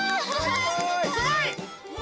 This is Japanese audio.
すごい！